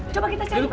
coba kita cari pak